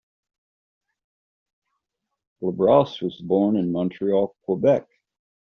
Labrosse was born in Montreal, Quebec.